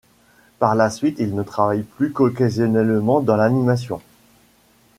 Par la suite, il ne travaille plus qu'occasionnellement dans l'animation.